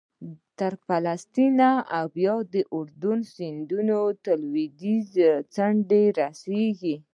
تر فلسطین او بیا د اردن سیند تر لوېدیځې څنډې رسېږي